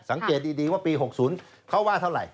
สังเกตดีว่าปี๖๐เขาว่าเท่าไหร่